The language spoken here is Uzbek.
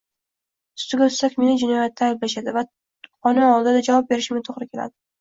Ustiga ustak, meni jinoyatda ayblashadi va qonun oldida javob berishimga to`g`ri keladi